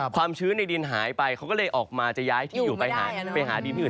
ความชื้นในดินหายไปเขาก็เลยออกมาจะย้ายที่อยู่ไปหาดินที่อื่น